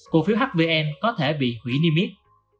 cụ phiếu hvn có thể bị hủy niêm mít